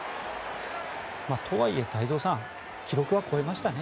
とはいえ太蔵さん記録は超えましたね。